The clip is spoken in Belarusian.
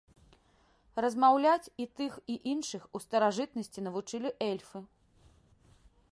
Размаўляць і тых і іншых у старажытнасці навучылі эльфы.